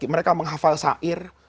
mereka menghafal sa'ir